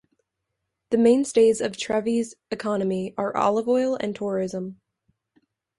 The mainstays of Trevi's economy are olive oil and tourism.